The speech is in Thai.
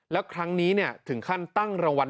แล้วครั้งนี้เนี่ยถึงขั้นตั้งรวรรณ